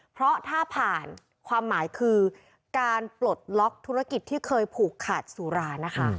เพราะถ้าผ่านความหมายคือการปลดล็อกธุรกิจที่เคยผูกขาดสุรานะคะ